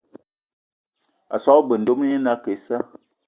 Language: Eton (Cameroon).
A so g-beu ndomni ye na ake issa.